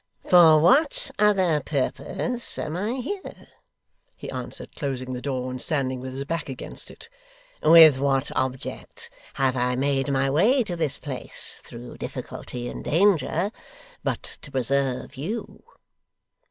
'For what other purpose am I here?' he answered, closing the door, and standing with his back against it. 'With what object have I made my way to this place, through difficulty and danger, but to preserve you?